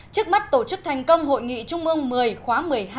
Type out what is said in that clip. trước mắt tổ chức thành công hội nghị trung ương một mươi khóa một mươi hai